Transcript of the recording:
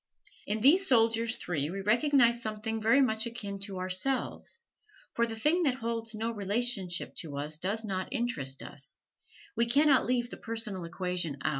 In these soldiers three we recognize something very much akin to ourselves, for the thing that holds no relationship to us does not interest us we can not leave the personal equation out.